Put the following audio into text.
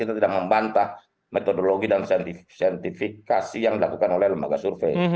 kita tidak membantah metodologi dan sertifikasi yang dilakukan oleh lembaga survei